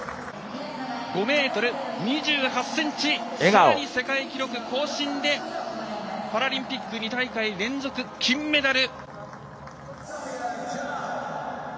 ５ｍ２８ｃｍさらに世界記録更新でパラリンピック２大会連続金メダル。